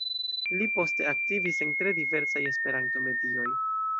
Li poste aktivis en tre diversaj Esperanto-medioj.